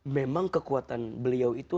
memang kekuatan beliau itu